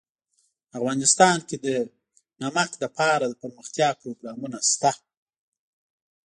افغانستان کې د نمک لپاره دپرمختیا پروګرامونه شته.